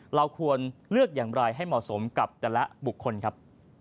เราควรเลือกอย่างไรให้เหมาะสมกับแต่ละบุคคลครับ